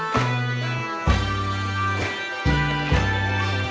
ร้องได้ให้ร้าน